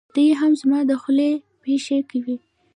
دی هم زما دخولې پېښې کوي.